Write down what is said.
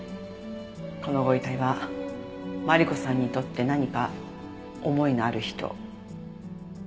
このご遺体はマリコさんにとって何か思いのある人でしょ？